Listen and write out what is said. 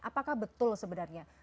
apakah betul sebenarnya